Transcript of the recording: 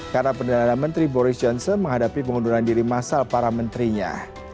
karena perdana menteri boris johnson menghadapi pengunduran diri massal para menterinya